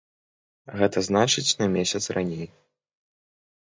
Гэта значыць на месяц раней.